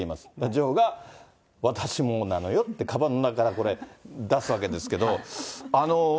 女王が私もなのよって、かばんの中から、これ、出すわけですけど。